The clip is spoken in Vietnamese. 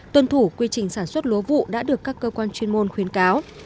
tuân thủ quy trình sản xuất lúa vụ đã được các cơ quan chuyên môn khuyến cáo